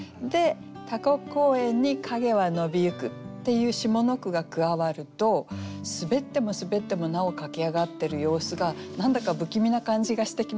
「タコ公園に影は伸びゆく」っていう下の句が加わるとすべってもすべってもなお駆け上がってる様子が何だか不気味な感じがしてきませんか？